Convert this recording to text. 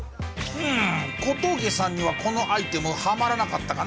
うーん小峠さんにはこのアイテムハマらなかったかな？